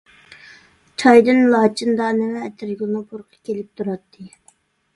چايدىن لاچىندانە ۋە ئەتىرگۈلنىڭ پۇرىقى كېلىپ تۇراتتى.